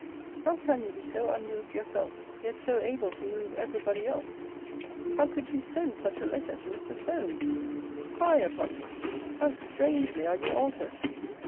How can you be so unmoved yourself, yet so able to move every body else? How could you send such a letter to Mr. Solmes? Fie upon you! How strangely are you altered!